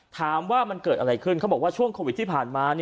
ถามว่ามันเกิดอะไรขึ้นเขาบอกว่าช่วงโควิดที่ผ่านมา